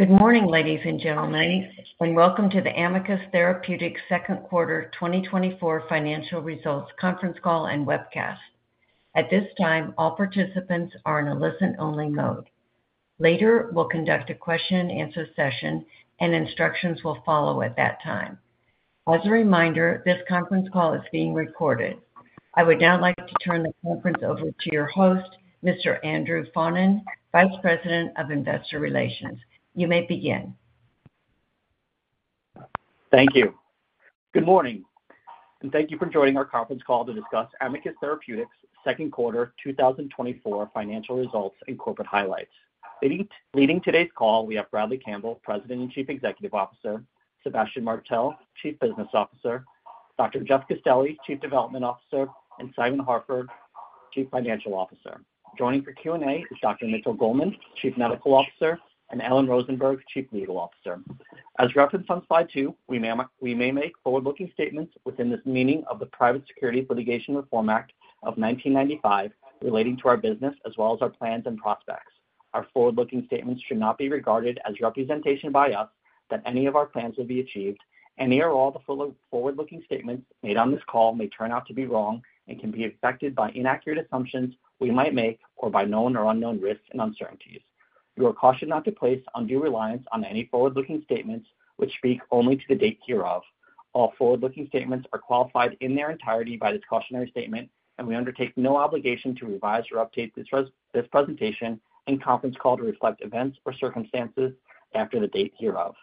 Good morning, ladies and gentlemen, and welcome to the Amicus Therapeutics second quarter 2024 financial results conference call and webcast. At this time, all participants are in a listen-only mode. Later, we'll conduct a question-and-answer session, and instructions will follow at that time. As a reminder, this conference call is being recorded. I would now like to turn the conference over to your host, Mr. Andrew Faughnan, Vice President of Investor Relations. You may begin. Thank you. Good morning, and thank you for joining our conference call to discuss Amicus Therapeutics' second quarter 2024 financial results and corporate highlights. Leading today's call, we have Bradley Campbell, President and Chief Executive Officer, Sébastien Martel, Chief Business Officer, Dr. Jeff Castelli, Chief Development Officer, and Simon Harford, Chief Financial Officer. Joining for Q&A is Dr. Mitchell Goldman, Chief Medical Officer, and Ellen Rosenberg, Chief Legal Officer. As referenced on slide 2, we may make forward-looking statements within the meaning of the Private Securities Litigation Reform Act of 1995 relating to our business as well as our plans and prospects. Our forward-looking statements should not be regarded as representation by us that any of our plans will be achieved, and they are all forward-looking statements made on this call may turn out to be wrong and can be affected by inaccurate assumptions we might make or by known or unknown risks and uncertainties. You are cautioned not to place undue reliance on any forward-looking statements, which speak only to the date hereof. All forward-looking statements are qualified in their entirety by this cautionary statement, and we undertake no obligation to revise or update this presentation and conference call to reflect events or circumstances after the date hereof.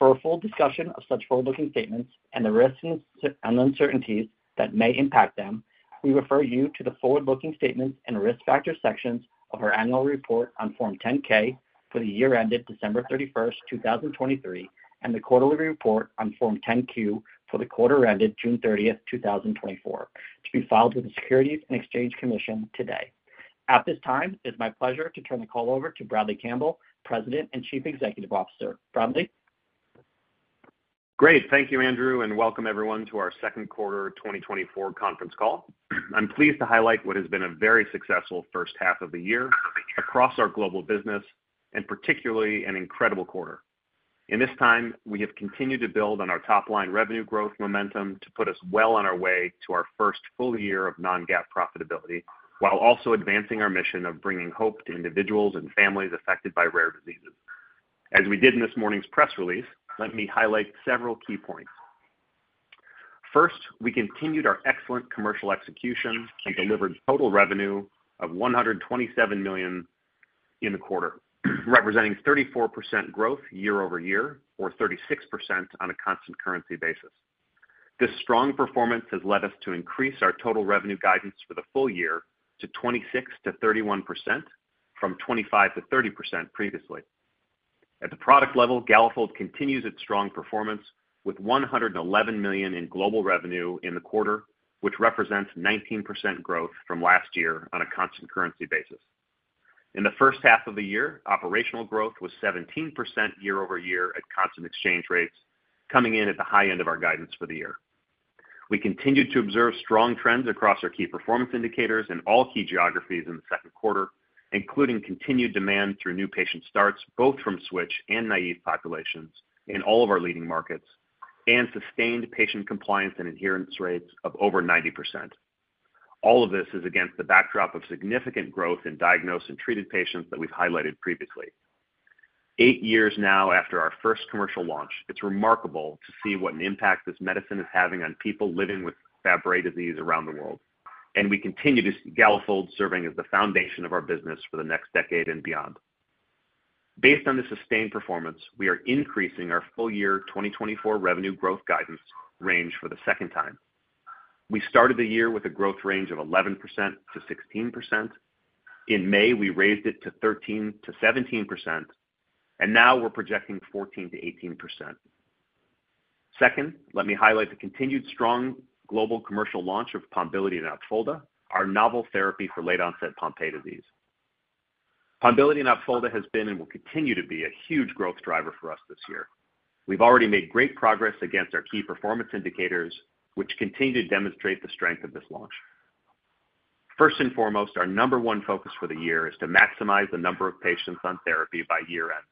For a full discussion of such forward-looking statements and the risks and uncertainties that may impact them, we refer you to the forward-looking statements and risk factor sections of our annual report on Form 10-K for the year ended December 31, 2023, and the quarterly report on Form 10-Q for the quarter ended June 30, 2024, to be filed with the Securities and Exchange Commission today. At this time, it's my pleasure to turn the call over to Bradley Campbell, President and Chief Executive Officer. Bradley? Great. Thank you, Andrew, and welcome everyone to our second quarter 2024 conference call. I'm pleased to highlight what has been a very successful first half of the year across our global business and particularly an incredible quarter. In this time, we have continued to build on our top-line revenue growth momentum to put us well on our way to our first full year of non-GAAP profitability, while also advancing our mission of bringing hope to individuals and families affected by rare diseases. As we did in this morning's press release, let me highlight several key points. First, we continued our excellent commercial execution and delivered total revenue of $127 million in the quarter, representing 34% growth year-over-year, or 36% on a constant currency basis. This strong performance has led us to increase our total revenue guidance for the full year to 26%-31%, from 25%-30% previously. At the product level, Galafold continues its strong performance with $111 million in global revenue in the quarter, which represents 19% growth from last year on a constant currency basis. In the first half of the year, operational growth was 17% year-over-year at constant exchange rates, coming in at the high end of our guidance for the year. We continued to observe strong trends across our key performance indicators in all key geographies in the second quarter, including continued demand through new patient starts, both from switch and naive populations in all of our leading markets, and sustained patient compliance and adherence rates of over 90%. All of this is against the backdrop of significant growth in diagnosed and treated patients that we've highlighted previously. 8 years now after our first commercial launch, it's remarkable to see what an impact this medicine is having on people living with Fabry disease around the world, and we continue to see Galafold serving as the foundation of our business for the next decade and beyond. Based on the sustained performance, we are increasing our full-year 2024 revenue growth guidance range for the second time. We started the year with a growth range of 11%-16%. In May, we raised it to 13%-17%, and now we're projecting 14%-18%. Second, let me highlight the continued strong global commercial launch of Pombiliti and Opfolda, our novel therapy for late-onset Pompe disease. Pombiliti and Opfolda has been and will continue to be a huge growth driver for us this year. We've already made great progress against our key performance indicators, which continue to demonstrate the strength of this launch. First and foremost, our number one focus for the year is to maximize the number of patients on therapy by year-end.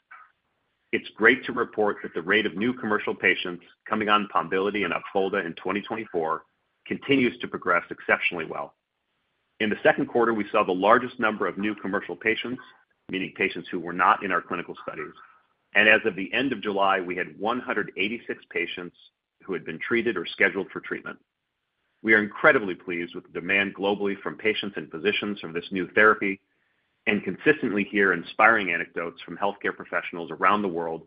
It's great to report that the rate of new commercial patients coming on Pombiliti and Opfolda in 2024 continues to progress exceptionally well. In the second quarter, we saw the largest number of new commercial patients, meaning patients who were not in our clinical studies, and as of the end of July, we had 186 patients who had been treated or scheduled for treatment. We are incredibly pleased with the demand globally from patients and physicians from this new therapy and consistently hear inspiring anecdotes from healthcare professionals around the world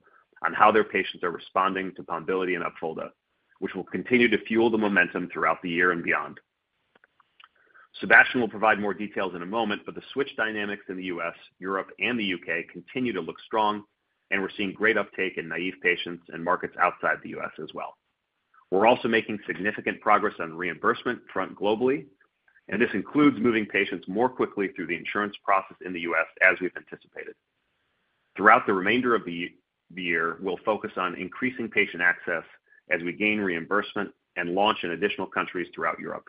on how their patients are responding to Pombiliti and Opfolda, which will continue to fuel the momentum throughout the year and beyond. Sébastien will provide more details in a moment, but the switch dynamics in the U.S., Europe, and the U.K. continue to look strong, and we're seeing great uptake in naive patients and markets outside the U.S. as well. We're also making significant progress on the reimbursement front globally, and this includes moving patients more quickly through the insurance process in the U.S., as we've anticipated. Throughout the remainder of the year, we'll focus on increasing patient access as we gain reimbursement and launch in additional countries throughout Europe.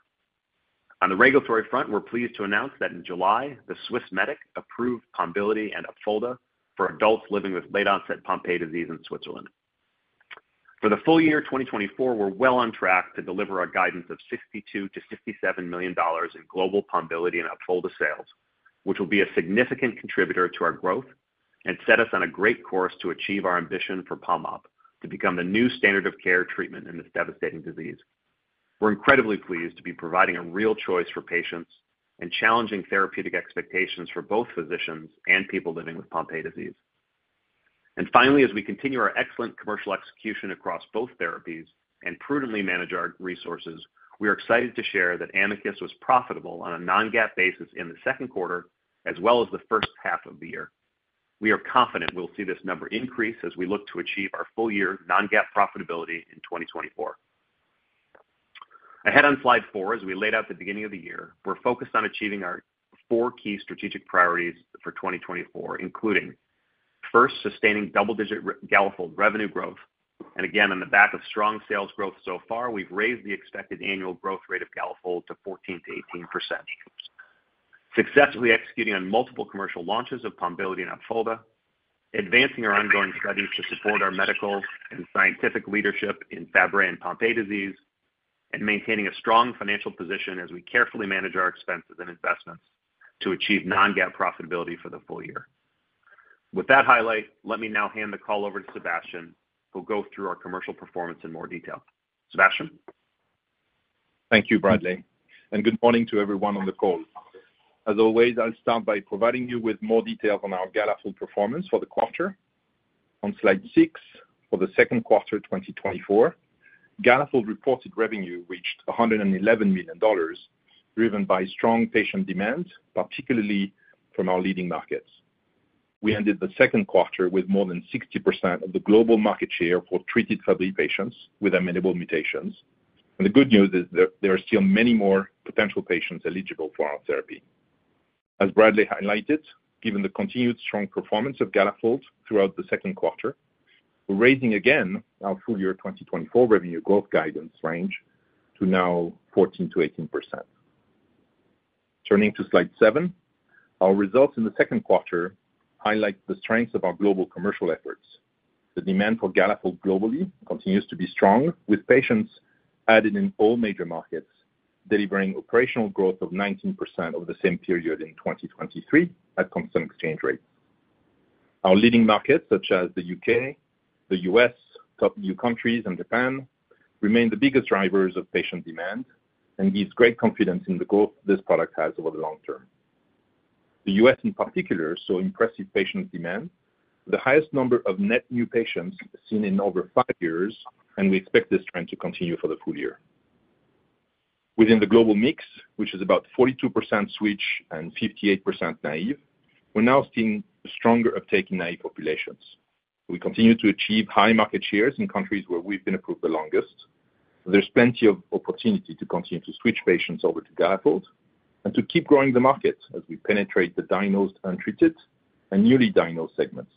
On the regulatory front, we're pleased to announce that in July, the Swissmedic approved Pombiliti and Opfolda for adults living with late-onset Pompe disease in Switzerland. For the full year 2024, we're well on track to deliver our guidance of $62 million-$67 million in global Pombiliti and Opfolda sales, which will be a significant contributor to our growth and set us on a great course to achieve our ambition for Pombiliti, to become the new standard of care treatment in this devastating disease. We're incredibly pleased to be providing a real choice for patients and challenging therapeutic expectations for both physicians and people living with Pompe disease. Finally, as we continue our excellent commercial execution across both therapies and prudently manage our resources, we are excited to share that Amicus was profitable on a non-GAAP basis in the second quarter, as well as the first half of the year. We are confident we'll see this number increase as we look to achieve our full-year non-GAAP profitability in 2024. Ahead on slide 4, as we laid out at the beginning of the year, we're focused on achieving our 4 key strategic priorities for 2024, including, first, sustaining double-digit Galafold revenue growth. And again, on the back of strong sales growth so far, we've raised the expected annual growth rate of Galafold to 14%-18%. Successfully executing on multiple commercial launches of Pombiliti and Opfolda, advancing our ongoing studies to support our medical and scientific leadership in Fabry and Pompe disease, and maintaining a strong financial position as we carefully manage our expenses and investments to achieve non-GAAP profitability for the full year. With that highlight, let me now hand the call over to Sébastien, who'll go through our commercial performance in more detail. Sébastien? Thank you, Bradley, and good morning to everyone on the call. As always, I'll start by providing you with more details on our Galafold performance for the quarter. On slide 6, for the second quarter 2024, Galafold reported revenue reached $111 million, driven by strong patient demand, particularly from our leading markets. We ended the second quarter with more than 60% of the global market share for treated Fabry patients with amenable mutations. And the good news is that there are still many more potential patients eligible for our therapy. As Bradley highlighted, given the continued strong performance of Galafold throughout the second quarter, we're raising again our full year 2024 revenue growth guidance range to now 14%-18%. Turning to slide 7, our results in the second quarter highlight the strengths of our global commercial efforts. The demand for Galafold globally continues to be strong, with patients added in all major markets, delivering operational growth of 19% over the same period in 2023 at constant exchange rate. Our leading markets, such as the U.K., the U.S., top new countries and Japan, remain the biggest drivers of patient demand and gives great confidence in the growth this product has over the long term. The U.S., in particular, saw impressive patient demand, the highest number of net new patients seen in over 5 years, and we expect this trend to continue for the full year. Within the global mix, which is about 42% switch and 58% naive, we're now seeing a stronger uptake in naive populations. We continue to achieve high market shares in countries where we've been approved the longest. There's plenty of opportunity to continue to switch patients over to Galafold and to keep growing the market as we penetrate the diagnosed, untreated, and newly diagnosed segments.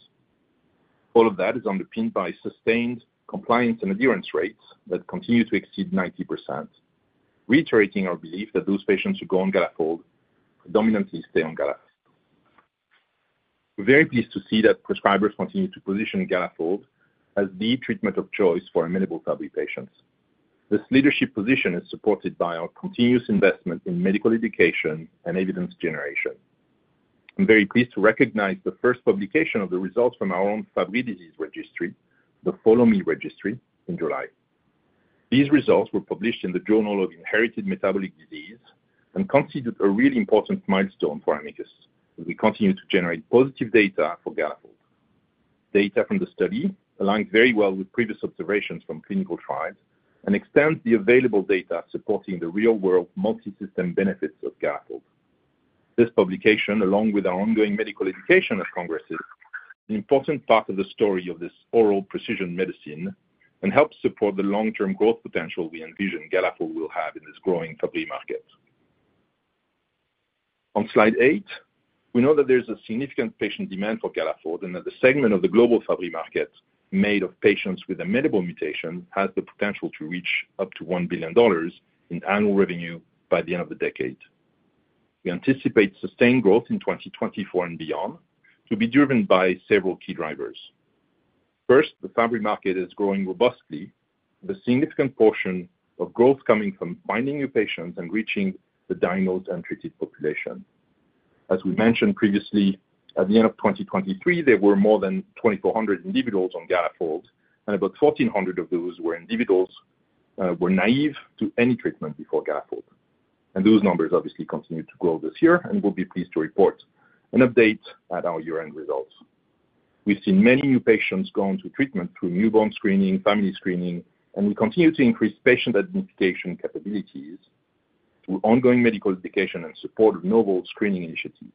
All of that is underpinned by sustained compliance and adherence rates that continue to exceed 90%, reiterating our belief that those patients who go on Galafold predominantly stay on Galafold. We're very pleased to see that prescribers continue to position Galafold as the treatment of choice for amenable Fabry patients. This leadership position is supported by our continuous investment in medical education and evidence generation. I'm very pleased to recognize the first publication of the results from our own Fabry Disease Registry, the FollowME Registry, in July. These results were published in the Journal of Inherited Metabolic Disease and considered a really important milestone for Amicus as we continue to generate positive data for Galafold. Data from the study aligns very well with previous observations from clinical trials and extends the available data supporting the real-world multisystem benefits of Galafold. This publication, along with our ongoing medical education at congresses, is an important part of the story of this oral precision medicine and helps support the long-term growth potential we envision Galafold will have in this growing Fabry market. On slide 8, we know that there's a significant patient demand for Galafold and that the segment of the global Fabry market, made of patients with amenable mutation, has the potential to reach up to $1 billion in annual revenue by the end of the decade. We anticipate sustained growth in 2024 and beyond to be driven by several key drivers. First, the Fabry market is growing robustly, with a significant portion of growth coming from finding new patients and reaching the diagnosed and treated population. As we mentioned previously, at the end of 2023, there were more than 2,400 individuals on Galafold, and about 1,400 of those were individuals, were naive to any treatment before Galafold. Those numbers obviously continue to grow this year, and we'll be pleased to report an update at our year-end results. We've seen many new patients go on to treatment through newborn screening, family screening, and we continue to increase patient identification capabilities through ongoing medical education and support of novel screening initiatives.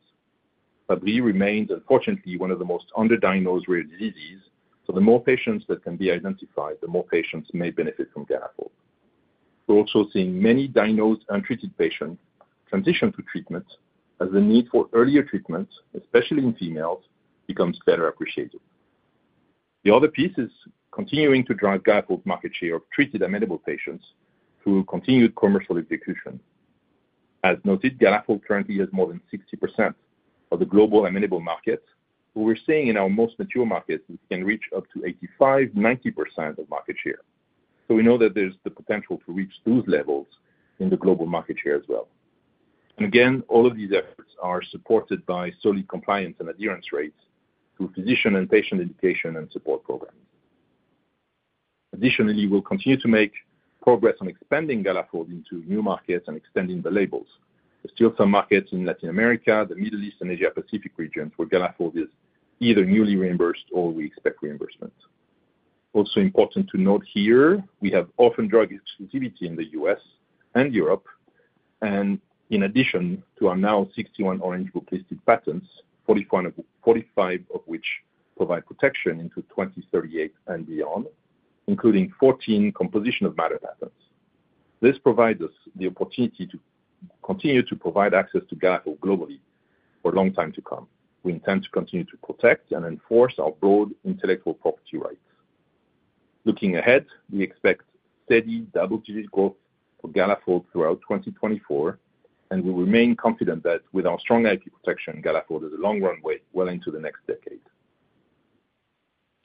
Fabry remains, unfortunately, one of the most underdiagnosed rare diseases, so the more patients that can be identified, the more patients may benefit from Galafold. We're also seeing many diagnosed and treated patients transition to treatment as the need for earlier treatment, especially in females, becomes better appreciated. The other piece is continuing to drive Galafold market share of treated amenable patients through continued commercial execution. As noted, Galafold currently has more than 60% of the global amenable market, but we're seeing in our most mature markets, it can reach up to 85%-90% of market share. So we know that there's the potential to reach those levels in the global market share as well. And again, all of these efforts are supported by solid compliance and adherence rates through physician and patient education and support programs. Additionally, we'll continue to make progress on expanding Galafold into new markets and extending the labels. There's still some markets in Latin America, the Middle East, and Asia Pacific region, where Galafold is either newly reimbursed or we expect reimbursement. Also important to note here, we have orphan drug exclusivity in the U.S. and Europe, and in addition to our now 61 Orange Book-listed patents, 41 of 45 of which provide protection into 2038 and beyond, including 14 composition of matter patents. This provides us the opportunity to continue to provide access to Galafold globally for a long time to come. We intend to continue to protect and enforce our broad intellectual property rights. Looking ahead, we expect steady double-digit growth for Galafold throughout 2024, and we remain confident that with our strong IP protection, Galafold has a long runway well into the next decade.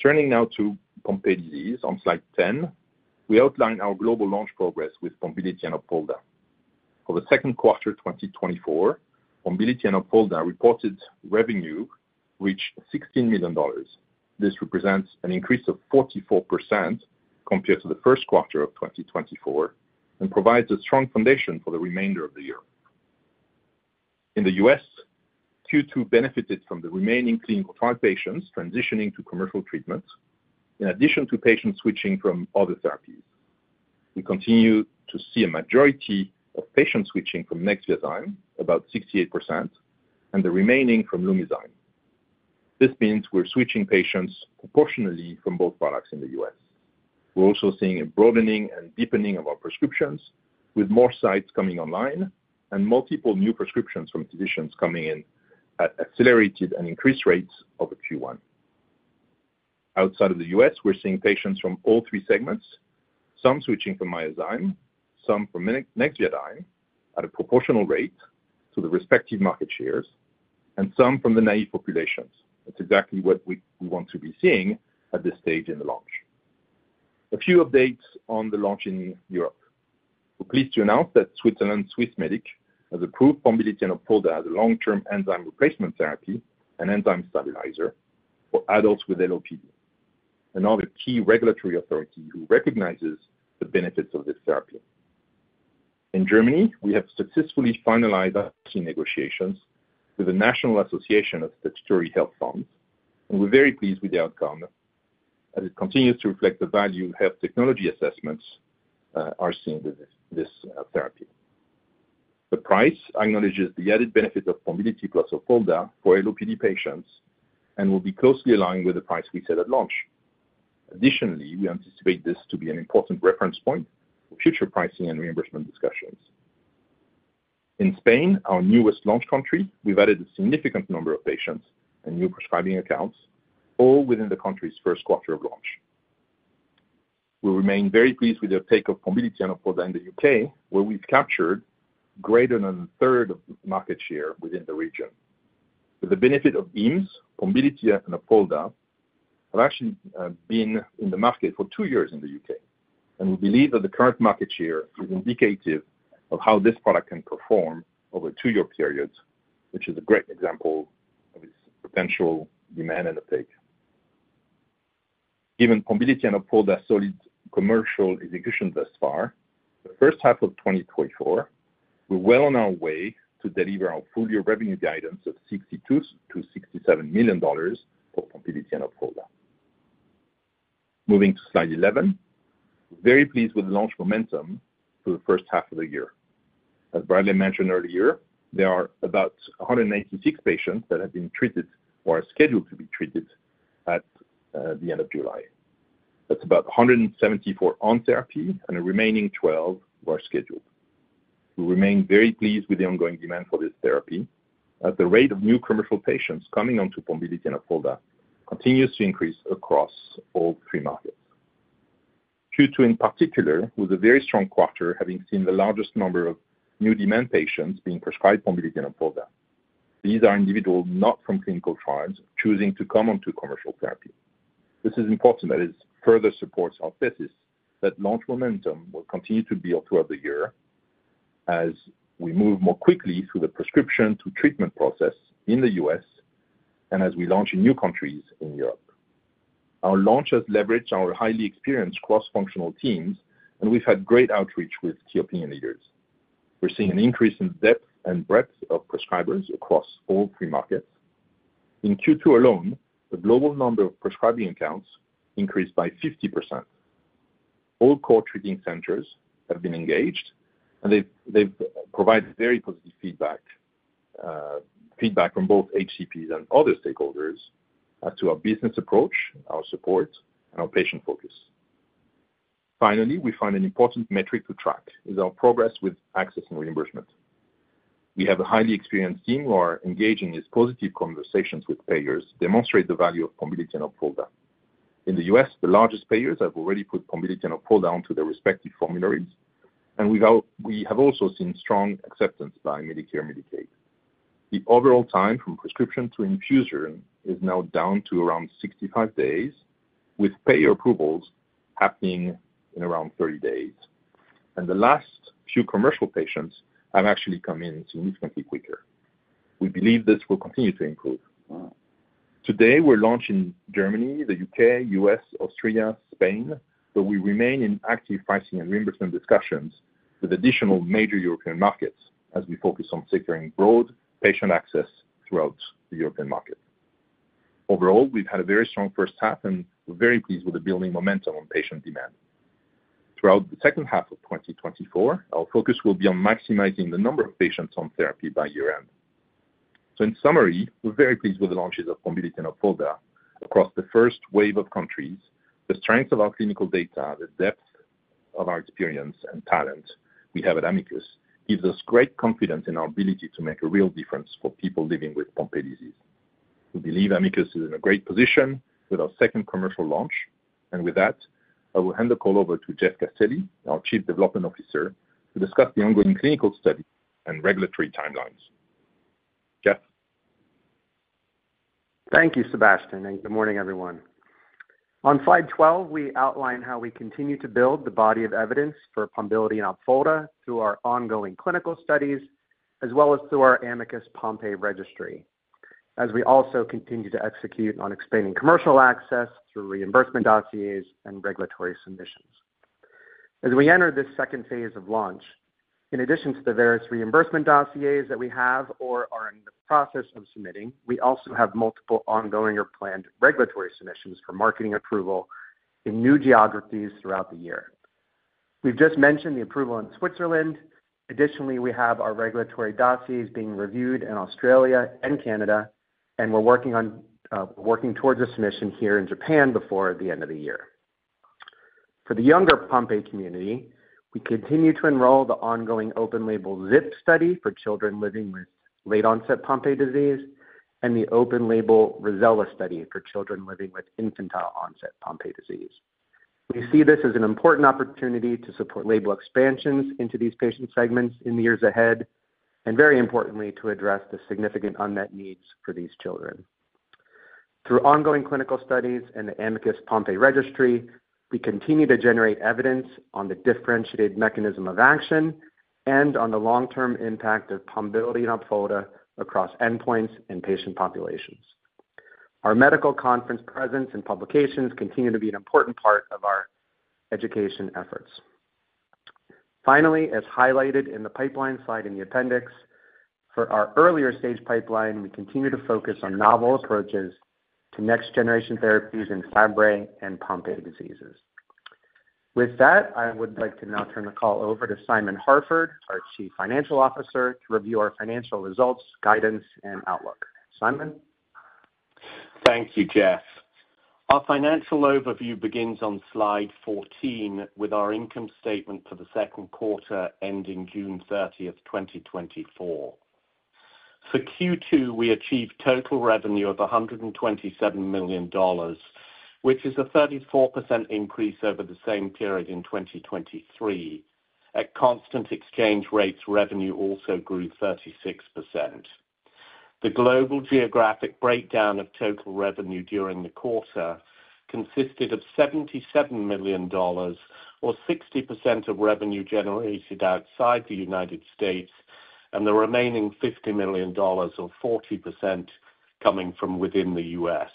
Turning now to Pompe disease. On slide 10, we outlined our global launch progress with Pombiliti and Opfolda. For the second quarter, 2024, Pombiliti and Opfolda reported revenue reached $16 million. This represents an increase of 44% compared to the first quarter of 2024 and provides a strong foundation for the remainder of the year. In the U.S., Q2 benefited from the remaining clinical trial patients transitioning to commercial treatment, in addition to patients switching from other therapies. We continue to see a majority of patients switching from Nexviazyme, about 68%, and the remaining from Lumizyme. This means we're switching patients proportionally from both products in the U.S. We're also seeing a broadening and deepening of our prescriptions, with more sites coming online and multiple new prescriptions from physicians coming in at accelerated and increased rates over Q1. Outside of the U.S., we're seeing patients from all three segments, some switching from Myozyme, some from Nexviazyme at a proportional rate to the respective market shares, and some from the naive populations. That's exactly what we want to be seeing at this stage in the launch. A few updates on the launch in Europe. We're pleased to announce that Swissmedic in Switzerland has approved Pombiliti and Opfolda as a long-term enzyme replacement therapy and enzyme stabilizer for adults with LOPD, another key regulatory authority who recognizes the benefits of this therapy. In Germany, we have successfully finalized our key negotiations with the National Association of Statutory Health Funds, and we're very pleased with the outcome, as it continues to reflect the value health technology assessments are seeing with this therapy. The price acknowledges the added benefit of Pombiliti plus Opfolda for LOPD patients and will be closely aligned with the price we set at launch. Additionally, we anticipate this to be an important reference point for future pricing and reimbursement discussions. In Spain, our newest launch country, we've added a significant number of patients and new prescribing accounts, all within the country's first quarter of launch. We remain very pleased with the uptake of Pombiliti and Opfolda in the U.K., where we've captured greater than a third of market share within the region. With the benefit of EAMS, Pombiliti and Opfolda have actually been in the market for two years in the U.K., and we believe that the current market share is indicative of how this product can perform over a two-year period, which is a great example of its potential demand and uptake. Given Pombiliti and Opfolda solid commercial execution thus far, the first half of 2024, we're well on our way to deliver our full-year revenue guidance of $62 million-$67 million for Pombiliti and Opfolda. Moving to slide 11. Very pleased with the launch momentum for the first half of the year. As Bradley mentioned earlier, there are about 186 patients that have been treated or are scheduled to be treated at the end of July. That's about 174 on therapy, and a remaining 12 are scheduled. We remain very pleased with the ongoing demand for this therapy, as the rate of new commercial patients coming onto Pombiliti and Opfolda continues to increase across all three markets. Q2, in particular, was a very strong quarter, having seen the largest number of new demand patients being prescribed Pombiliti and Opfolda. These are individuals not from clinical trials, choosing to come onto commercial therapy. This is important, as it further supports our thesis that launch momentum will continue to build throughout the year as we move more quickly through the prescription to treatment process in the U.S. and as we launch in new countries in Europe. Our launch has leveraged our highly experienced cross-functional teams, and we've had great outreach with key opinion leaders. We're seeing an increase in depth and breadth of prescribers across all three markets. In Q2 alone, the global number of prescribing accounts increased by 50%. All core treating centers have been engaged, and they've provided very positive feedback from both HCPs and other stakeholders as to our business approach, our support, and our patient focus. Finally, we find an important metric to track is our progress with access and reimbursement. We have a highly experienced team who are engaging in positive conversations with payers, demonstrate the value of Pombiliti and Opfolda. In the U.S., the largest payers have already put Pombiliti and Opfolda down to their respective formularies, and we've—we have also seen strong acceptance by Medicare and Medicaid. The overall time from prescription to infusion is now down to around 65 days, with payer approvals happening in around 30 days. The last few commercial patients have actually come in significantly quicker. We believe this will continue to improve. Today, we're launching Germany, the U.K., U.S., Australia, Spain, but we remain in active pricing and reimbursement discussions with additional major European markets as we focus on securing broad patient access throughout the European market. Overall, we've had a very strong first half, and we're very pleased with the building momentum on patient demand. Throughout the second half of 2024, our focus will be on maximizing the number of patients on therapy by year-end. So in summary, we're very pleased with the launches of Pombiliti and Opfolda across the first wave of countries. The strength of our clinical data, the depth of our experience and talent we have at Amicus, gives us great confidence in our ability to make a real difference for people living with Pompe disease. We believe Amicus is in a great position with our second commercial launch, and with that, I will hand the call over to Jeff Castelli, our Chief Development Officer, to discuss the ongoing clinical study and regulatory timelines. Jeff? Thank you, Sébastien, and good morning, everyone. On slide 12, we outline how we continue to build the body of evidence for Pombiliti and Opfolda through our ongoing clinical studies, as well as through our Amicus Pompe Registry, as we also continue to execute on expanding commercial access through reimbursement dossiers and regulatory submissions. As we enter this second phase of launch, in addition to the various reimbursement dossiers that we have or are in the process of submitting, we also have multiple ongoing or planned regulatory submissions for marketing approval in new geographies throughout the year. We've just mentioned the approval in Switzerland. Additionally, we have our regulatory dossiers being reviewed in Australia and Canada, and we're working on working towards a submission here in Japan before the end of the year. For the younger Pompe community, we continue to enroll the ongoing open-label ZIP study for children living with late-onset Pompe disease, and the open-label Rossella study for children living with infantile-onset Pompe disease. We see this as an important opportunity to support label expansions into these patient segments in the years ahead, and very importantly, to address the significant unmet needs for these children. Through ongoing clinical studies and the Amicus Pompe Registry, we continue to generate evidence on the differentiated mechanism of action and on the long-term impact of Pombiliti and Opfolda across endpoints and patient populations. Our medical conference presence and publications continue to be an important part of our education efforts. Finally, as highlighted in the pipeline slide in the appendix, for our earlier stage pipeline, we continue to focus on novel approaches to next-generation therapies in Fabry and Pompe diseases. With that, I would like to now turn the call over to Simon Harford, our Chief Financial Officer, to review our financial results, guidance, and outlook. Simon? Thank you, Jeff. Our financial overview begins on slide 14 with our income statement for the second quarter, ending June 30, 2024. For Q2, we achieved total revenue of $127 million, which is a 34% increase over the same period in 2023. At constant exchange rates, revenue also grew 36%. The global geographic breakdown of total revenue during the quarter consisted of $77 million, or 60% of revenue generated outside the United States, and the remaining $50 million, or 40%, coming from within the U.S..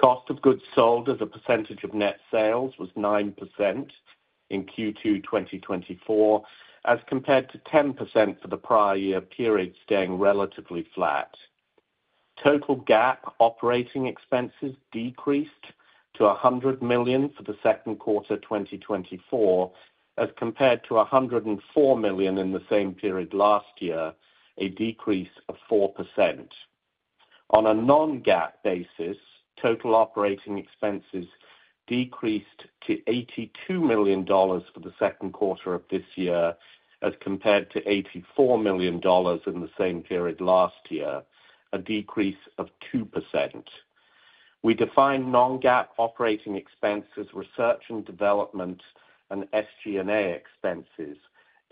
Cost of goods sold as a percentage of net sales was 9% in Q2 2024, as compared to 10% for the prior year period, staying relatively flat. Total GAAP operating expenses decreased to $100 million for the second quarter 2024, as compared to $104 million in the same period last year, a decrease of 4%. On a non-GAAP basis, total operating expenses decreased to $82 million for the second quarter of this year, as compared to $84 million in the same period last year, a decrease of 2%. We define non-GAAP operating expenses, research and development, and SG&A expenses,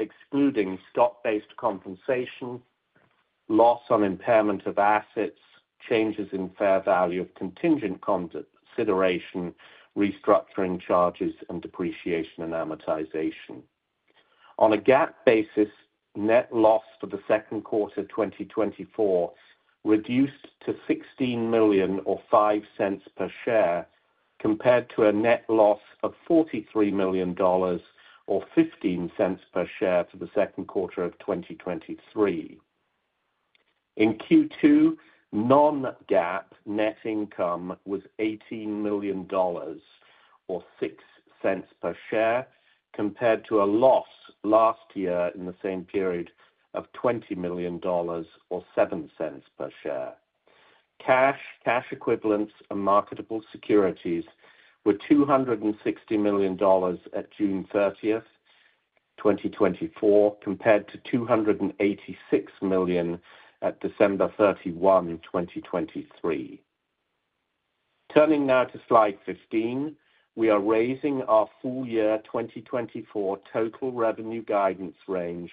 excluding stock-based compensation, loss on impairment of assets, changes in fair value of contingent consideration, restructuring charges, and depreciation and amortization. On a GAAP basis, net loss for the second quarter 2024 reduced to $16 million or $0.05 per share, compared to a net loss of $43 million, or $0.15 per share, for the second quarter of 2023. In Q2, non-GAAP net income was $18 million, or $0.06 per share, compared to a loss last year in the same period of $20 million or $0.07 per share. Cash, cash equivalents, and marketable securities were $260 million at June 30th, 2024, compared to $286 million at December 31, 2023. Turning now to slide 15, we are raising our full year 2024 total revenue guidance range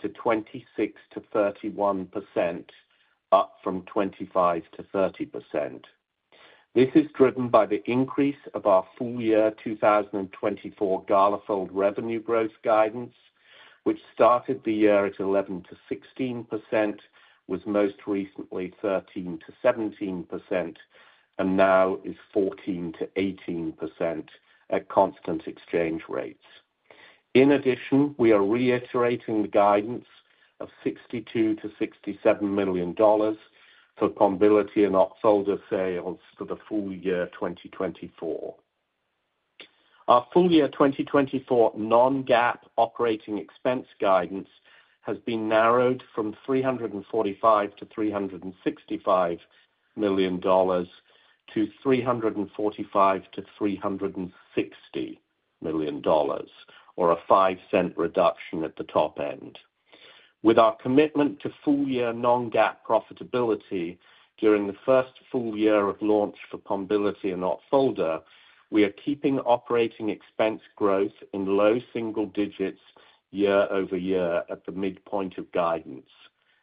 to 26%-31%, up from 25%-30%. This is driven by the increase of our full year 2024 Galafold revenue growth guidance, which started the year at 11%-16%, was most recently 13%-17%, and now is 14%-18% at constant exchange rates. In addition, we are reiterating the guidance of $62 million-$67 million for Pombiliti and Opfolda sales for the full year 2024. Our full year 2024 non-GAAP operating expense guidance has been narrowed from $345 million-$365 million to $345 million-$360 million, or a $0.05 reduction at the top end. With our commitment to full-year non-GAAP profitability during the first full year of launch for Pombiliti and Opfolda, we are keeping operating expense growth in low single digits year-over-year at the midpoint of guidance.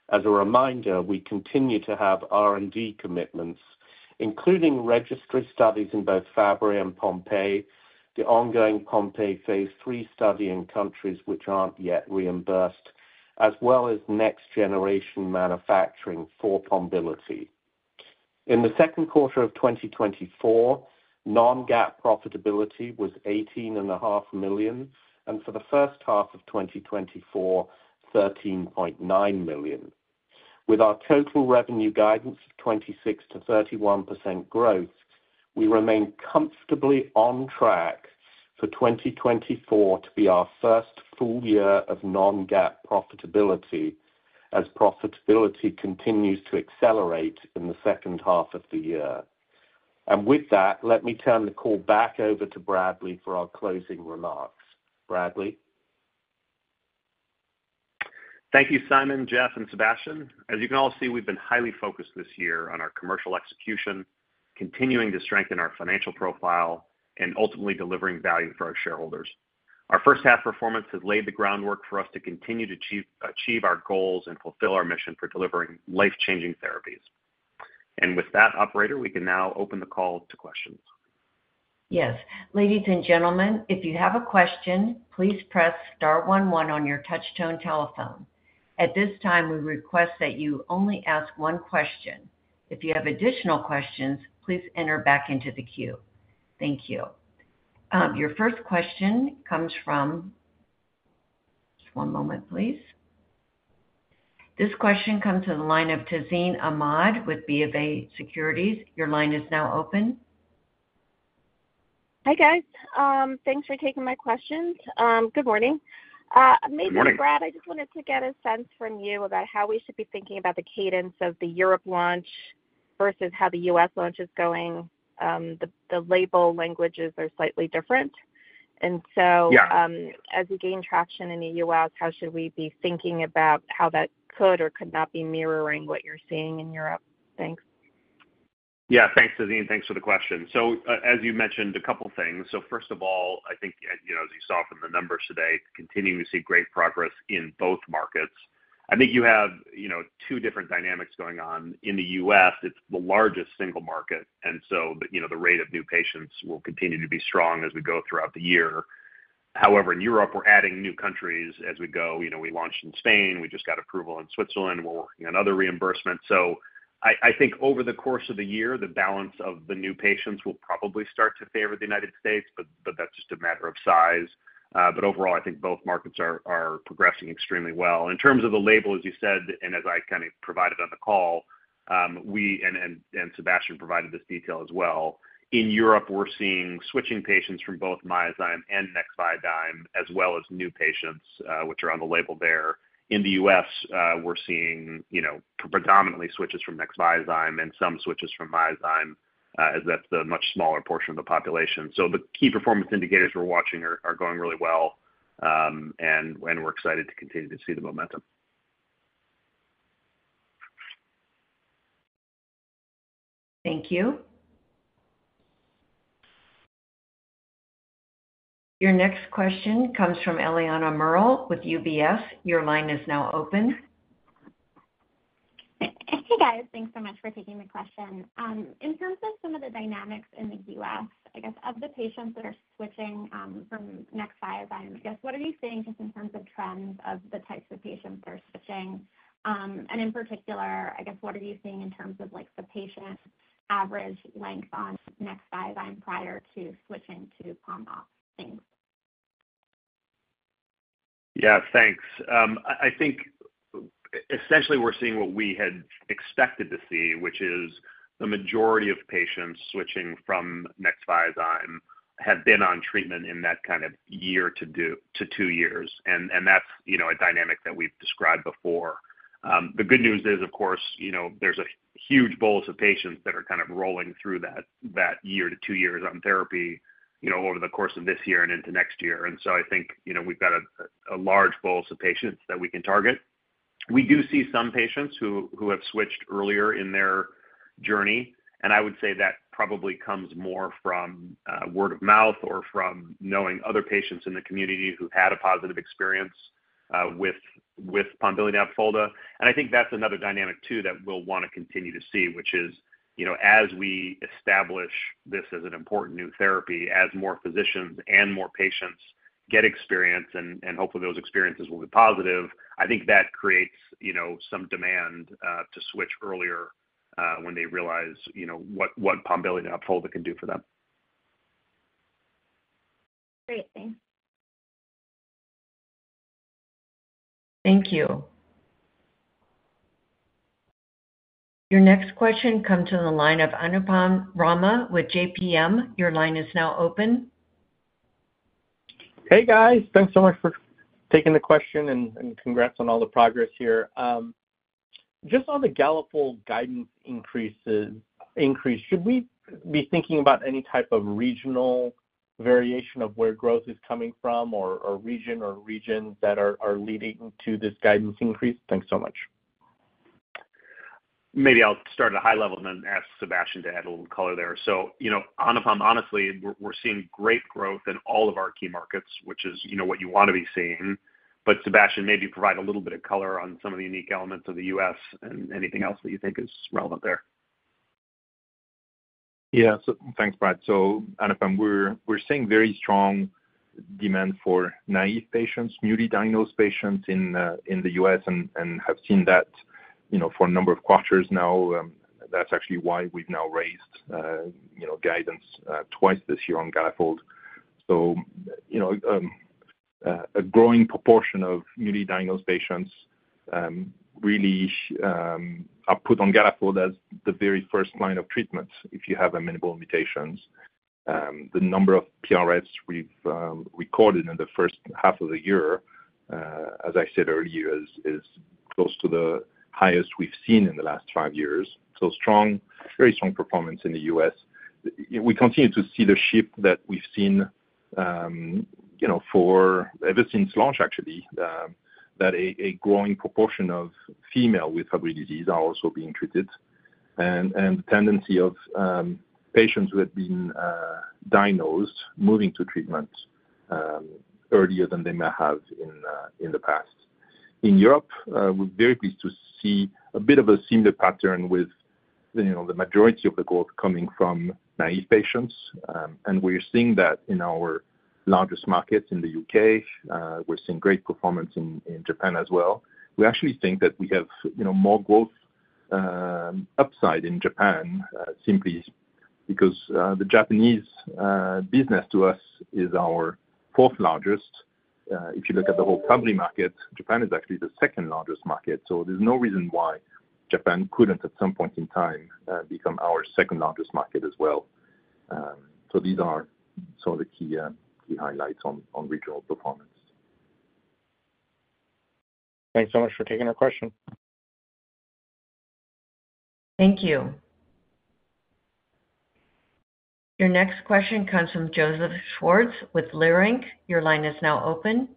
As a reminder, we continue to have R&D commitments, including registry studies in both Fabry and Pompe, the ongoing Pompe phase III study in countries which aren't yet reimbursed, as well as next-generation manufacturing for Pombiliti. In the second quarter of 2024, non-GAAP profitability was $18.5 million, and for the first half of 2024, $13.9 million. With our total revenue guidance of 26%-31% growth, we remain comfortably on track for 2024 to be our first full year of non-GAAP profitability, as profitability continues to accelerate in the second half of the year. And with that, let me turn the call back over to Bradley for our closing remarks. Bradley? Thank you, Simon, Jeff, and Sébastien. As you can all see, we've been highly focused this year on our commercial execution, continuing to strengthen our financial profile, and ultimately delivering value for our shareholders. Our first half performance has laid the groundwork for us to continue to achieve our goals and fulfill our mission for delivering life-changing therapies. With that, operator, we can now open the call to questions. Yes. Ladies and gentlemen, if you have a question, please press star one one on your touchtone telephone. At this time, we request that you only ask one question. If you have additional questions, please enter back into the queue. Thank you. Your first question comes from. Just one moment, please. This question comes to the line of Tazeen Ahmad with BofA Securities. Your line is now open. Hi, guys. Thanks for taking my questions. Good morning. Good morning. Maybe, Brad, I just wanted to get a sense from you about how we should be thinking about the cadence of the Europe launch versus how the U.S. launch is going. The label languages are slightly different. And so- Yeah... as you gain traction in the U.S., how should we be thinking about how that could or could not be mirroring what you're seeing in Europe? Thanks. Yeah, thanks, Tazeen. Thanks for the question. So, as you mentioned, a couple things. So first of all, I think, you know, as you saw from the numbers today, continuing to see great progress in both markets. I think you have, you know, two different dynamics going on. In the U.S., it's the largest single market, and so the, you know, the rate of new patients will continue to be strong as we go throughout the year. However, in Europe, we're adding new countries as we go. You know, we launched in Spain, we just got approval in Switzerland, we're working on other reimbursements. So I, I think over the course of the year, the balance of the new patients will probably start to favor the United States, but, but that's just a matter of size. But overall, I think both markets are, are progressing extremely well. In terms of the label, as you said, and as I kind of provided on the call, we and Sébastien provided this detail as well. In Europe, we're seeing switching patients from both Myozyme and Nexviazyme, as well as new patients, which are on the label there. In the U.S., we're seeing, you know, predominantly switches from Nexviazyme and some switches from Myozyme, as that's the much smaller portion of the population. So the key performance indicators we're watching are going really well, and we're excited to continue to see the momentum. Thank you. Your next question comes from Eliana Merle with UBS. Your line is now open. Hey, guys. Thanks so much for taking the question. In terms of some of the dynamics in the U.S., I guess of the patients that are switching from Nexviazyme, I guess, what are you seeing just in terms of trends of the types of patients that are switching? And in particular, I guess, what are you seeing in terms of, like, the patient average length on Nexviazyme prior to switching to Pombiliti? Thanks. Yeah, thanks. I think essentially we're seeing what we had expected to see, which is the majority of patients switching from Nexviazyme have been on treatment in that kind of year or two to two years, and that's, you know, a dynamic that we've described before. The good news is, of course, you know, there's a huge bolus of patients that are kind of rolling through that year to two years on therapy, you know, over the course of this year and into next year. So I think, you know, we've got a large bolus of patients that we can target. We do see some patients who have switched earlier in their journey, and I would say that probably comes more from word of mouth or from knowing other patients in the community who've had a positive experience with Pombiliti and Opfolda. And I think that's another dynamic too that we'll wanna continue to see, which is, you know, as we establish this as an important new therapy, as more physicians and more patients get experience, and hopefully those experiences will be positive, I think that creates, you know, some demand to switch earlier when they realize, you know, what Pombiliti and Opfolda can do for them. Great, thanks. Thank you. Your next question comes to the line of Anupam Rama with JPM. Your line is now open. Hey, guys. Thanks so much for taking the question, and congrats on all the progress here. Just on the Galafold guidance increase, should we be thinking about any type of regional variation of where growth is coming from, or region or regions that are leading to this guidance increase? Thanks so much. Maybe I'll start at a high level and then ask Sébastien to add a little color there. So, you know, Anupam, honestly, we're, we're seeing great growth in all of our key markets, which is, you know, what you want to be seeing. But Sébastien, maybe provide a little bit of color on some of the unique elements of the U.S. and anything else that you think is relevant there. Yeah. So thanks, Brad. So Anupam, we're seeing very strong demand for naive patients, newly diagnosed patients in the U.S. and have seen that, you know, for a number of quarters now. That's actually why we've now raised, you know, guidance twice this year on Galafold. So, you know, a growing proportion of newly diagnosed patients really are put on Galafold as the very first line of treatment if you have amenable mutations. The number of PSFs we've recorded in the first half of the year, as I said earlier, is close to the highest we've seen in the last five years. So strong, very strong performance in the U.S.. We continue to see the shift that we've seen, you know, ever since launch, actually, that a growing proportion of female with Fabry disease are also being treated, and the tendency of patients who have been diagnosed moving to treatment earlier than they may have in the past. In Europe, we're very pleased to see a bit of a similar pattern with, you know, the majority of the growth coming from naive patients. And we're seeing that in our largest markets in the U.K., we're seeing great performance in Japan as well. We actually think that we have, you know, more growth upside in Japan, simply because the Japanese business to us is our fourth largest. If you look at the whole Fabry market, Japan is actually the second largest market, so there's no reason why Japan couldn't, at some point in time, become our second largest market as well. So these are some of the key highlights on regional performance. Thanks so much for taking our question. Thank you. Your next question comes from Joseph Schwartz with Leerink. Your line is now open.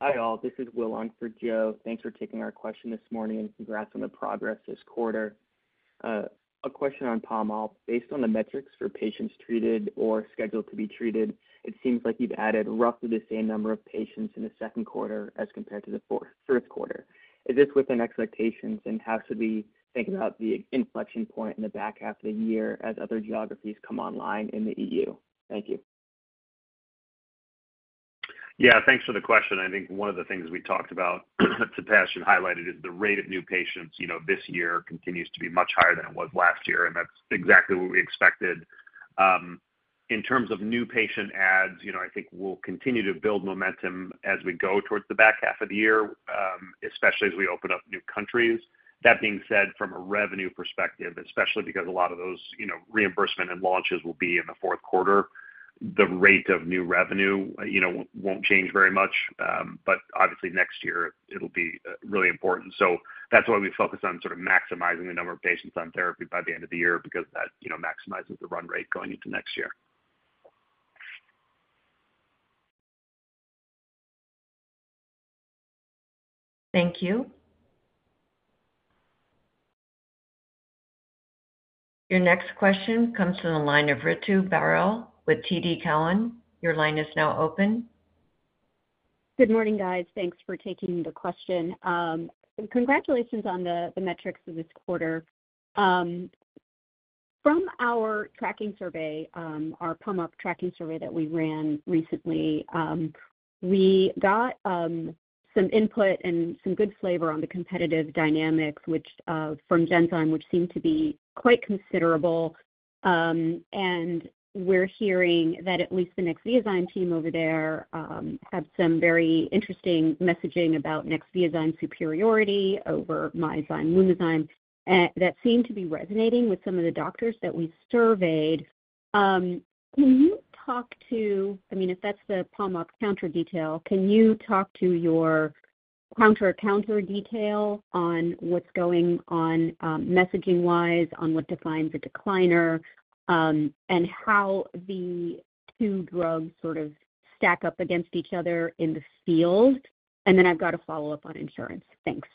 Hi, all. This is Will on for Joe. Thanks for taking our question this morning, and congrats on the progress this quarter. A question on Pombiliti. Based on the metrics for patients treated or scheduled to be treated, it seems like you've added roughly the same number of patients in the second quarter as compared to the third quarter. Is this within expectations, and how should we think about the inflection point in the back half of the year as other geographies come online in the EU? Thank you. Yeah, thanks for the question. I think one of the things we talked about, Sébastien highlighted, is the rate of new patients, you know, this year continues to be much higher than it was last year, and that's exactly what we expected. In terms of new patient adds, you know, I think we'll continue to build momentum as we go towards the back half of the year, especially as we open up new countries. That being said, from a revenue perspective, especially because a lot of those, you know, reimbursement and launches will be in the fourth quarter, the rate of new revenue, you know, won't change very much. But obviously next year it'll be really important. That's why we focus on sort of maximizing the number of patients on therapy by the end of the year, because that, you know, maximizes the run rate going into next year. Thank you. Your next question comes from the line of Ritu Baral with TD Cowen. Your line is now open. Good morning, guys. Thanks for taking the question. Congratulations on the metrics for this quarter. From our tracking survey, our Pompe tracking survey that we ran recently, we got some input and some good flavor on the competitive dynamics, which from Genzyme, which seem to be quite considerable. And we're hearing that at least the Nexviazyme team over there have some very interesting messaging about Nexviazyme superiority over Myozyme, Lumizyme. That seemed to be resonating with some of the doctors that we surveyed. Can you talk to, I mean, if that's the Pompe counter detail, can you talk to your counter-counter detail on what's going on, messaging-wise, on what defines a decliner, and how the two drugs sort of stack up against each other in the field? And then I've got a follow-up on insurance. Thanks.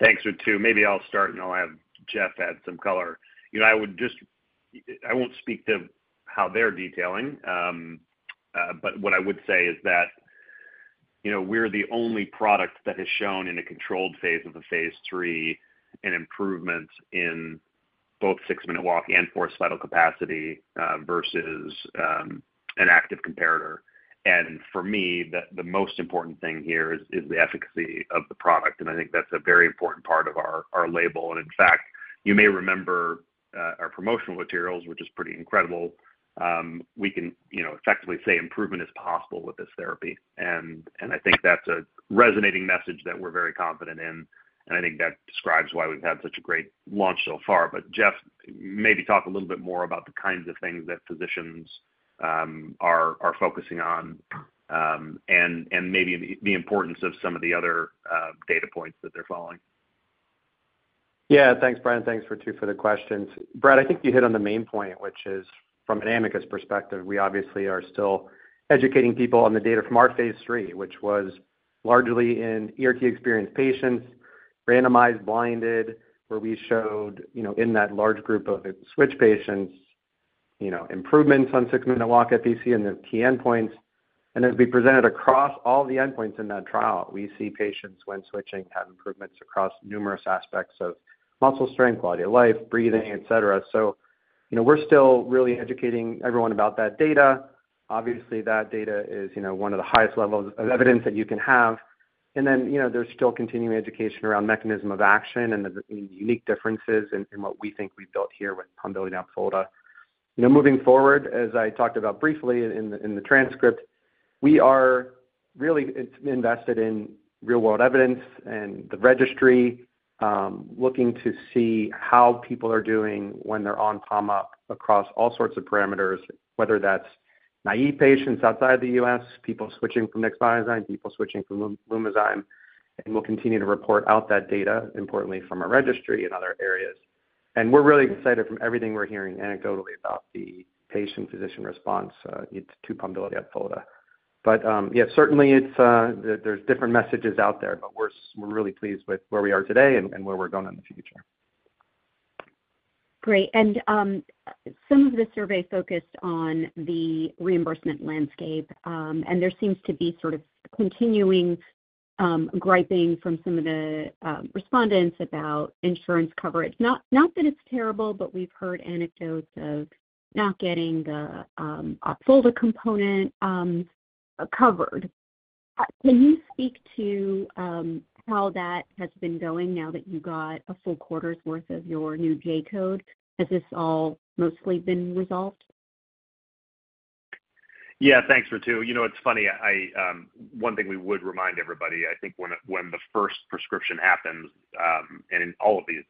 Thanks, Ritu. Maybe I'll start, and I'll have Jeff add some color. You know, I would just—I won't speak to how they're detailing, but what I would say is that, you know, we're the only product that has shown in a controlled phase of a phase 3, an improvement in both six-minute walk and forced vital capacity, versus an active comparator. And for me, the most important thing here is the efficacy of the product, and I think that's a very important part of our label. And in fact, you may remember our promotional materials, which is pretty incredible. We can, you know, effectively say improvement is possible with this therapy. And I think that's a resonating message that we're very confident in, and I think that describes why we've had such a great launch so far. But Jeff, maybe talk a little bit more about the kinds of things that physicians are focusing on, and maybe the importance of some of the other data points that they're following. Yeah, thanks, Brad. Thanks, Ritu, for the questions. Brad, I think you hit on the main point, which is from an Amicus perspective, we obviously are still educating people on the data from our phase 3, which was largely in ERT-experienced patients, randomized, blinded, where we showed, you know, in that large group of switch patients, you know, improvements on six-minute walk FVC and the key endpoints. And as we presented across all the endpoints in that trial, we see patients, when switching, have improvements across numerous aspects of muscle strength, quality of life, breathing, et cetera. So, you know, we're still really educating everyone about that data. Obviously, that data is, you know, one of the highest levels of evidence that you can have. And then, you know, there's still continuing education around mechanism of action and the unique differences in what we think we've built here with Pombiliti Opfolda. You know, moving forward, as I talked about briefly in the transcript, we are really invested in real-world evidence and the registry, looking to see how people are doing when they're on Pombiliti across all sorts of parameters, whether that's naive patients outside the U.S., people switching from Nexviazyme, people switching from Lumizyme, and we'll continue to report out that data, importantly, from our registry and other areas. And we're really excited from everything we're hearing anecdotally about the patient-physician response to Pombiliti Opfolda. But, yeah, certainly it's, there's different messages out there, but we're really pleased with where we are today and where we're going in the future. Great. And some of the survey focused on the reimbursement landscape, and there seems to be sort of continuing griping from some of the respondents about insurance coverage. Not that it's terrible, but we've heard anecdotes of not getting the Opfolda component covered. Can you speak to how that has been going now that you got a full quarter's worth of your new J-code? Has this all mostly been resolved? Yeah. Thanks, Ritu. You know, it's funny, I... One thing we would remind everybody, I think when the first prescription happens, and in all of these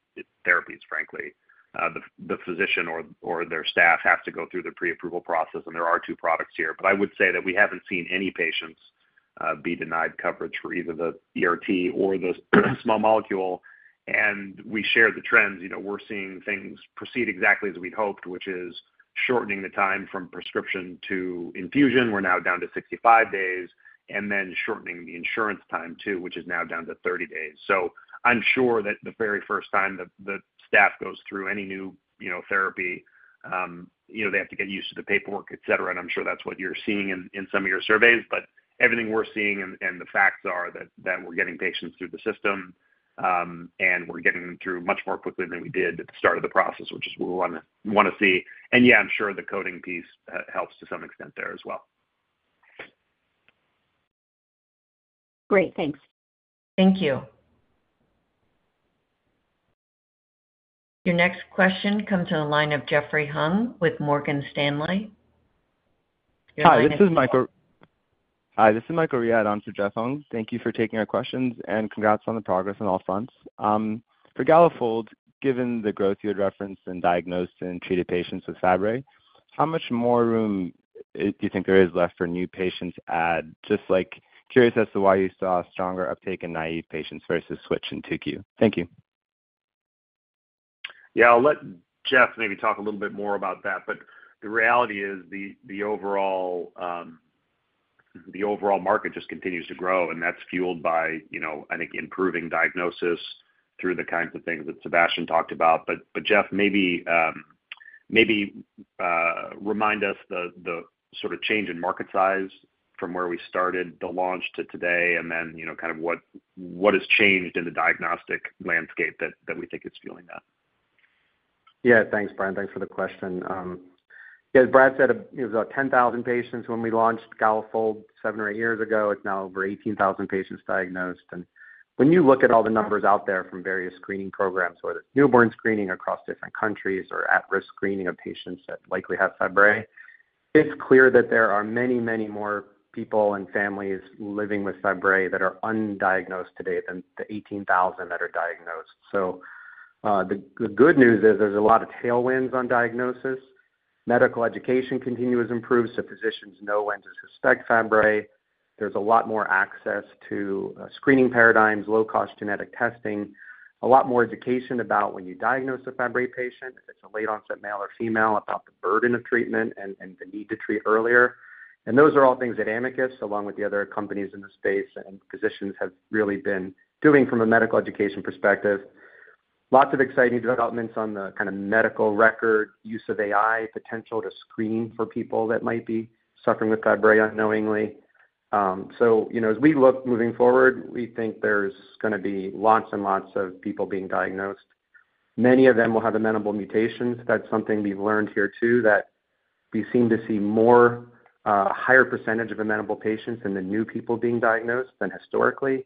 therapies, frankly, the physician or their staff has to go through the pre-approval process, and there are two products here. But I would say that we haven't seen any patients be denied coverage for either the ERT or the small molecule, and we share the trends. You know, we're seeing things proceed exactly as we'd hoped, which is shortening the time from prescription to infusion. We're now down to 65 days, and then shortening the insurance time, too, which is now down to 30 days. So I'm sure that the very first time that the staff goes through any new, you know, therapy, you know, they have to get used to the paperwork, et cetera, and I'm sure that's what you're seeing in some of your surveys. But everything we're seeing and the facts are that we're getting patients through the system, and we're getting them through much more quickly than we did at the start of the process, which is what we wanna see. And yeah, I'm sure the coding piece helps to some extent there as well. Great. Thanks. Thank you. Your next question comes to the line of Jeffrey Hung with Morgan Stanley. Hi, this is Michael Riad on for Jeff Hung. Thank you for taking our questions, and congrats on the progress on all fronts. For Galafold, given the growth you had referenced in diagnosed and treated patients with Fabry, how much more room do you think there is left for new patients at just, like, curious as to why you saw a stronger uptake in naive patients versus switch in 2Q. Thank you. Yeah. I'll let Jeff maybe talk a little bit more about that, but the reality is the overall market just continues to grow, and that's fueled by, you know, I think, improving diagnosis through the kinds of things that Sebastian talked about. But, Jeff, maybe remind us the sort of change in market size from where we started the launch to today, and then, you know, kind of what has changed in the diagnostic landscape that we think is fueling that? Yeah. Thanks, Brad. Thanks for the question. Yeah, as Brad said, it was about 10,000 patients when we launched Galafold seven or eight years ago. It's now over 18,000 patients diagnosed. And when you look at all the numbers out there from various screening programs, whether newborn screening across different countries or at-risk screening of patients that likely have Fabry. It's clear that there are many, many more people and families living with Fabry that are undiagnosed today than the 18,000 that are diagnosed. So, the good news is there's a lot of tailwinds on diagnosis. Medical education continues to improve, so physicians know when to suspect Fabry. There's a lot more access to screening paradigms, low-cost genetic testing, a lot more education about when you diagnose a Fabry patient, if it's a late-onset male or female, about the burden of treatment and the need to treat earlier. Those are all things that Amicus, along with the other companies in the space and physicians, have really been doing from a medical education perspective. Lots of exciting developments on the kind of medical record use of AI, potential to screen for people that might be suffering with Fabry unknowingly. So, you know, as we look moving forward, we think there's gonna be lots and lots of people being diagnosed. Many of them will have amenable mutations. That's something we've learned here, too, that we seem to see more higher percentage of amenable patients in the new people being diagnosed than historically,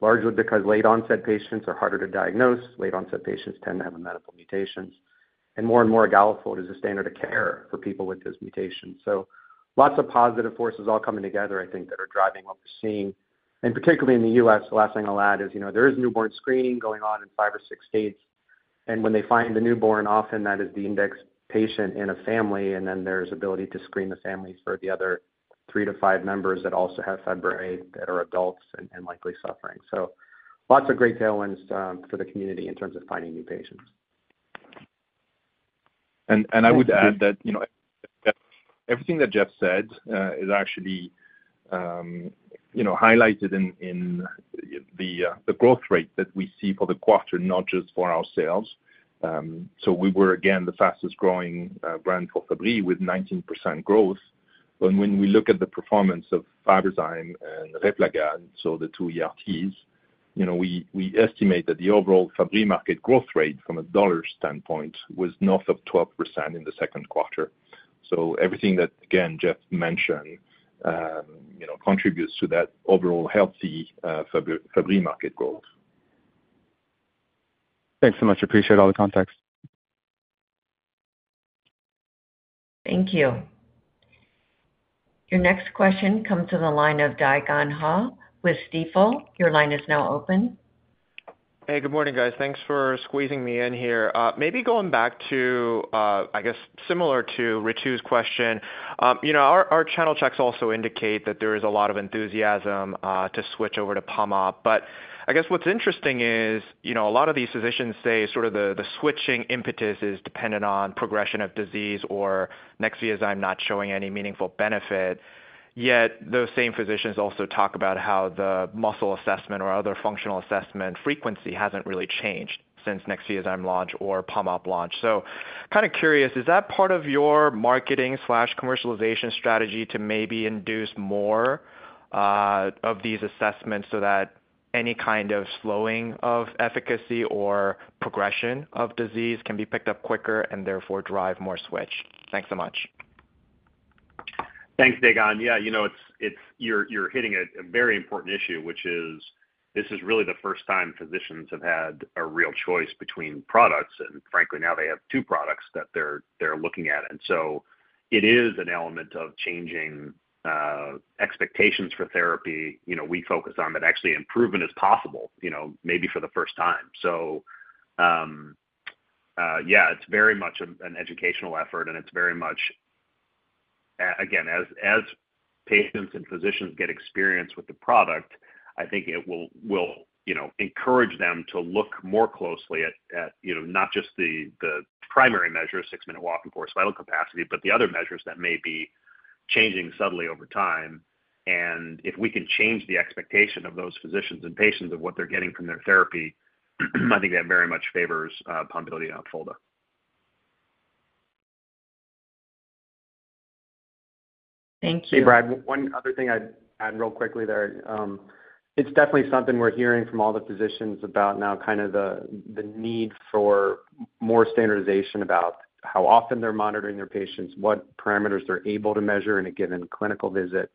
largely because late-onset patients are harder to diagnose. Late-onset patients tend to have amenable mutations, and more and more Galafold is a standard of care for people with this mutation. So lots of positive forces all coming together, I think, that are driving what we're seeing. And particularly in the U.S., the last thing I'll add is, you know, there is newborn screening going on in five or six states, and when they find the newborn, often that is the index patient in a family, and then there's ability to screen the families for the other three to five members that also have Fabry that are adults and likely suffering. So lots of great tailwinds for the community in terms of finding new patients. I would add that, you know, everything that Jeff said is actually, you know, highlighted in the growth rate that we see for the quarter, not just for ourselves. So we were again the fastest growing brand for Fabry with 19% growth. But when we look at the performance of Fabrazyme and Replagal, so the two ERTs, you know, we estimate that the overall Fabry market growth rate from a dollar standpoint was north of 12% in the second quarter. So everything that, again, Jeff mentioned, you know, contributes to that overall healthy Fabry market growth. Thanks so much. Appreciate all the context. Thank you. Your next question comes to the line of Dae Gon Ha with Stifel. Your line is now open. Hey, good morning, guys. Thanks for squeezing me in here. Maybe going back to, I guess, similar to Ritu's question, you know, our, our channel checks also indicate that there is a lot of enthusiasm to switch over to Pombiliti. But I guess what's interesting is, you know, a lot of these physicians say sort of the, the switching impetus is dependent on progression of disease or Nexviazyme not showing any meaningful benefit. Yet those same physicians also talk about how the muscle assessment or other functional assessment frequency hasn't really changed since Nexviazyme launch or Pombiliti launch. So kind of curious, is that part of your marketing slash commercialization strategy to maybe induce more of these assessments so that any kind of slowing of efficacy or progression of disease can be picked up quicker and therefore drive more switch? Thanks so much. Thanks, Dae Gon. Yeah, you know, it's you're hitting a very important issue, which is this is really the first time physicians have had a real choice between products, and frankly, now they have two products that they're looking at. And so it is an element of changing expectations for therapy. You know, we focus on that actually improvement is possible, you know, maybe for the first time. So, yeah, it's very much an educational effort, and it's very much again, as patients and physicians get experienced with the product, I think it will you know, encourage them to look more closely at you know, not just the primary measure, six-minute walk and forced vital capacity, but the other measures that may be changing subtly over time. If we can change the expectation of those physicians and patients of what they're getting from their therapy, I think that very much favors Pombiliti and Opfolda. Thank you. Hey, Brad, one other thing I'd add real quickly there. It's definitely something we're hearing from all the physicians about now, kind of the need for more standardization about how often they're monitoring their patients, what parameters they're able to measure in a given clinical visit.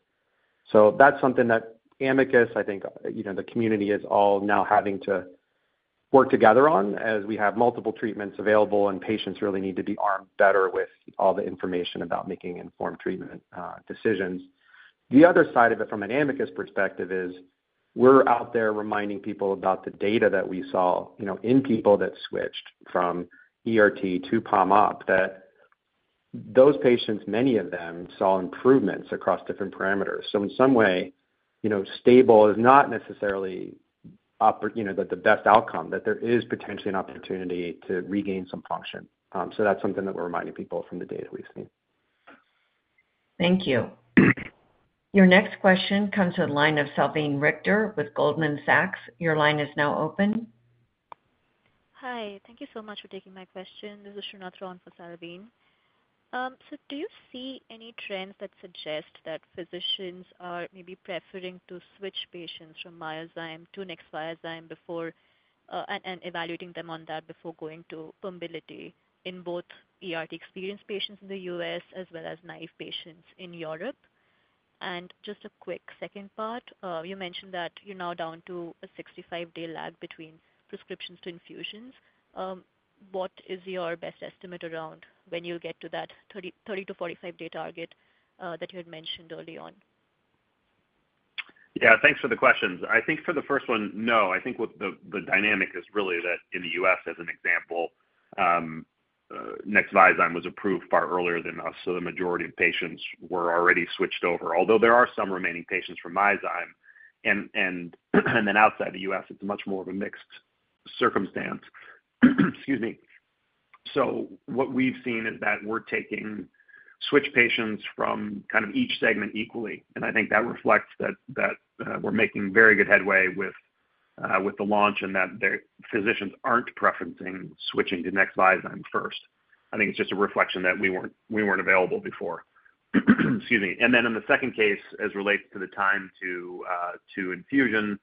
So that's something that Amicus, I think, you know, the community is all now having to work together on as we have multiple treatments available, and patients really need to be armed better with all the information about making informed treatment decisions. The other side of it, from an Amicus perspective, is we're out there reminding people about the data that we saw, you know, in people that switched from ERT to Pombiliti, that those patients, many of them, saw improvements across different parameters. In some way, you know, stable is not necessarily the best outcome, that there is potentially an opportunity to regain some function. That's something that we're reminding people from the data we've seen. Thank you. Your next question comes to the line of Salveen Richter with Goldman Sachs. Your line is now open. Hi, thank you so much for taking my question. This is Sunnath on for Salveen. So do you see any trends that suggest that physicians are maybe preferring to switch patients from Myozyme to Nexviazyme before, and evaluating them on that before going to Pombiliti in both ERT experienced patients in the U.S. as well as naive patients in Europe? Just a quick second part. You mentioned that you're now down to a 65-day lag between prescriptions to infusions. What is your best estimate around when you'll get to that 30- to 45-day target that you had mentioned early on? Yeah, thanks for the questions. I think for the first one, no, I think what the dynamic is really that in the U.S., as an example, Nexviazyme was approved far earlier than us, so the majority of patients were already switched over, although there are some remaining patients from Myozyme. And, and, and then outside the U.S., it's much more of a mixed circumstance. Excuse me. So what we've seen is that we're taking switch patients from kind of each segment equally, and I think that reflects that we're making very good headway with the launch and that their physicians aren't preferencing switching to Nexviazyme first. I think it's just a reflection that we weren't available before. Excuse me. And then in the second case, as it relates to the time to infusion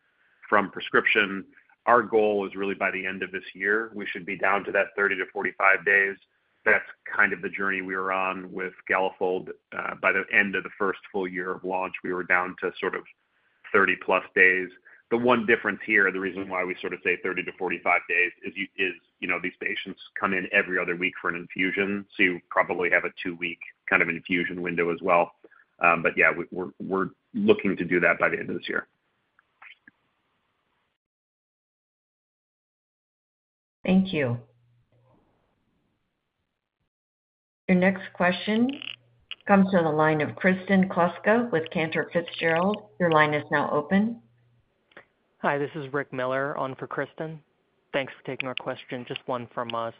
from prescription, our goal is really by the end of this year, we should be down to that 30-45 days. That's kind of the journey we were on with Galafold. By the end of the first full year of launch, we were down to sort of 30+ days. The one difference here, the reason why we sort of say 30-45 days is, you know, these patients come in every other week for an infusion, so you probably have a two-week kind of infusion window as well. But yeah, we're, we're looking to do that by the end of this year. Thank you. Your next question comes from the line of Kristen Kluska with Cantor Fitzgerald. Your line is now open. Hi, this is Rick Miller on for Kristen. Thanks for taking our question, just one from us.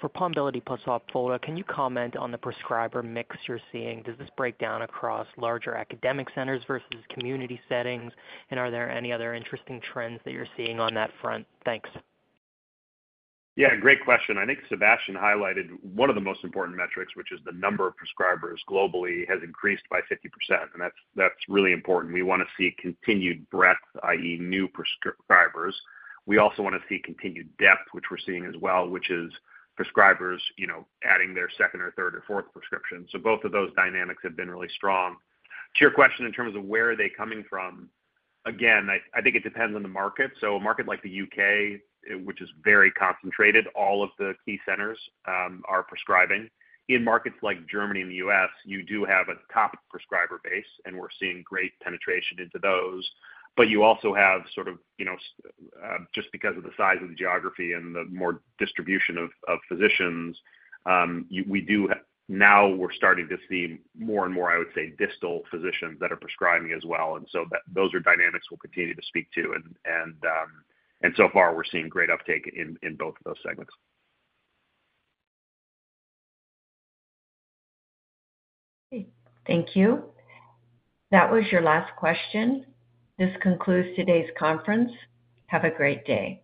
For Pombiliti plus Opfolda, can you comment on the prescriber mix you're seeing? Does this break down across larger academic centers versus community settings, and are there any other interesting trends that you're seeing on that front? Thanks. Yeah, great question. I think Sébastien highlighted one of the most important metrics, which is the number of prescribers globally, has increased by 50%, and that's, that's really important. We want to see continued breadth, i.e., new prescribers. We also want to see continued depth, which we're seeing as well, which is prescribers, you know, adding their second or third or fourth prescription. So both of those dynamics have been really strong. To your question in terms of where are they coming from, again, I, I think it depends on the market. So a market like the U.K., which is very concentrated, all of the key centers, are prescribing. In markets like Germany and the U.S., you do have a top prescriber base, and we're seeing great penetration into those. But you also have sort of, you know, just because of the size of the geography and the more distribution of physicians, we do now we're starting to see more and more, I would say, distal physicians that are prescribing as well. And so that those are dynamics we'll continue to speak to. And so far, we're seeing great uptake in both of those segments. Thank you. That was your last question. This concludes today's conference. Have a great day.